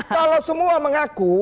kalau semua mengaku